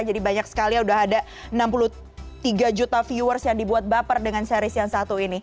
jadi banyak sekali sudah ada enam puluh tiga juta viewers yang dibuat baper dengan series yang satu